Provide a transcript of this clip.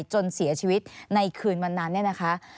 จนเสียชีวิตในคืนวันนั้นเนี่ยนะคะ